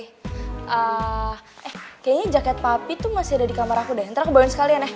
ehh kayaknya jaket papi tuh masih ada di kamar aku deh ntar aku bawain sekalian ya